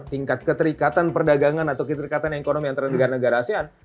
tingkat keterikatan perdagangan atau keterikatan ekonomi antara negara negara asean